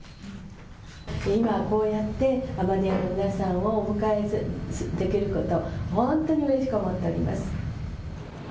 今、こうやってアマデアの皆さんをお迎えできること本当にうれしく思っております。